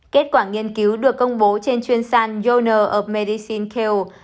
kết quả nghiên cứu được công bố trên chuyên sàn journal of medicine care